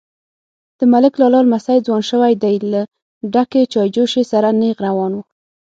_د ملک لالا لمسی ځوان شوی دی، له ډکې چايجوشې سره نيغ روان و.